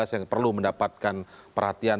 yang perlu mendapatkan perhatian